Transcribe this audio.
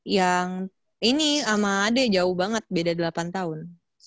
yang ini sama ade jauh banget beda delapan tahun